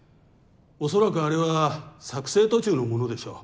おそらくあれは作成途中のものでしょう。